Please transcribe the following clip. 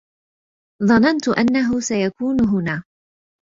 ظننت أنه سيكون هنا.